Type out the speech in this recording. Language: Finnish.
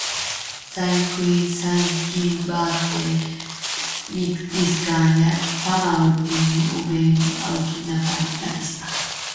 Sain kuin sainkin vaatteet niskaan ja pamautin oven auki napista.